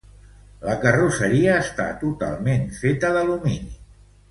La carrosseria està totalment feta d'alumini.